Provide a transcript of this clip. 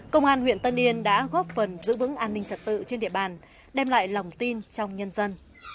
công an huyện tân yên đã góp phần giữ vững an ninh trật tự trên địa bàn đem lại lòng tin trong nhân dân